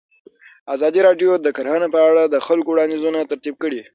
ازادي راډیو د کرهنه په اړه د خلکو وړاندیزونه ترتیب کړي.